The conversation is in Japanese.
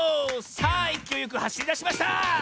さあいきおいよくはしりだしました！